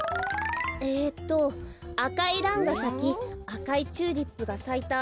えっと「あかいランがさきあかいチューリップがさいた